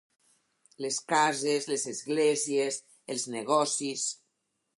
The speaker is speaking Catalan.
Les cases, les esglésies, els negocis.